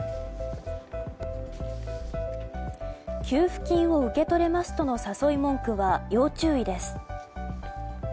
給付金を受け取れますとの誘い文句は要注意です。